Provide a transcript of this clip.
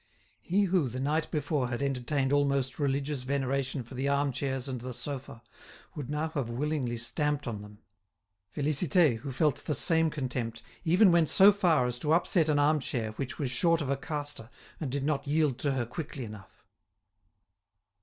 He who, the night before, had entertained almost religious veneration for the arm chairs and the sofa, would now have willingly stamped on them. Félicité, who felt the same contempt, even went so far as to upset an arm chair which was short of a castor and did not yield to her quickly enough.